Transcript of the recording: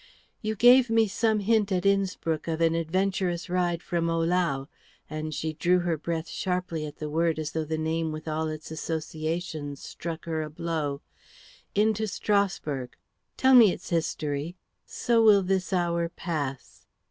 "You gave me some hint at Innspruck of an adventurous ride from Ohlau," and she drew her breath sharply at the word, as though the name with all its associations struck her a blow, "into Strasbourg. Tell me its history. So will this hour pass."